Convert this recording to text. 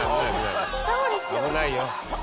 危ないよ。